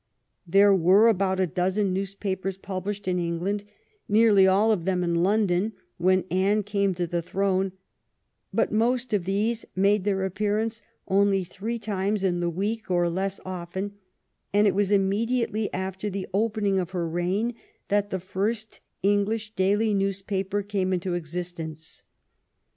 There were about a dozen newspapers published in England, nearly all of them in London, when Anne came to the throne, but most of these made their ap pearance only three times in the week or less often, and it was immediately after the opening of her reign that the first English daily newspaper came into ex istence.